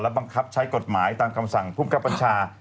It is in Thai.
บังคับใช้กฎหมายตามคำสั่งภูมิกับบัญชา